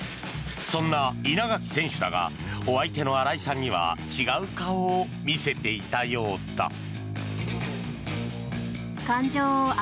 そんな稲垣選手だがお相手の新井さんには違う顔を見せていたようだ。